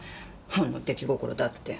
ほんの出来心だって。